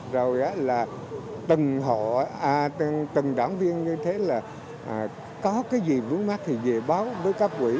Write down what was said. rồi là từng đảng viên như thế là có cái gì vướng mắt thì về báo với các quỹ